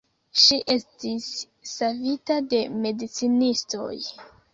Ŝi estis savita de medicinistoj.